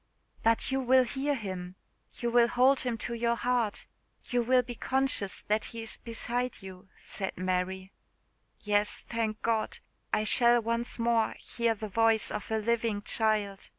"But you will hear him you will hold him to your heart you will be conscious that he is beside you," said Mary. "Yes, thank God! I shall once more hear the voice of a living child!